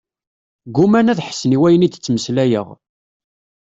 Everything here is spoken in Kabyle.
Gguman ad ḥessen i wayen i d-ttmeslayeɣ.